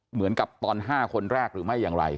เหมือนกับตอน๕คนแรกหรือไม่อย่างไร